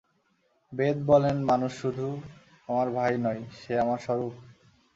বেদ বলেন মানুষ শুধু আমার ভাই নয়, সে আমার স্বরূপ।